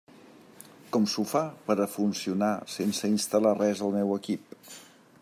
Com s'ho fa per a funcionar sense instal·lar res al meu equip?